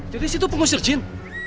jadi si tu pengusir jin